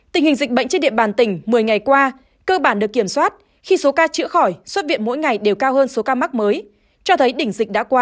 tình hình dịch bệnh trên địa bàn tỉnh một mươi ngày qua cơ bản được kiểm soát khi số ca chữa khỏi xuất viện mỗi ngày đều cao hơn số ca mắc mới cho thấy đỉnh dịch đã qua